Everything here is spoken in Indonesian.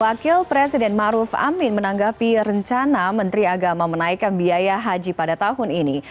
wakil presiden maruf amin menanggapi rencana menteri agama menaikkan biaya haji pada tahun ini